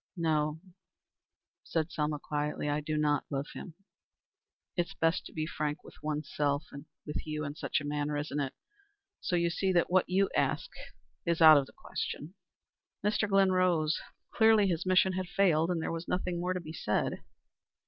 "No," said Selma quietly, "I do not love him. It is best to be frank with one's self with you, in such a matter, isn't it? So you see that what you ask is out of the question." Mr. Glynn rose. Clearly his mission had failed, and there was nothing more to be said.